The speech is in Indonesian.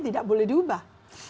tidak boleh diubah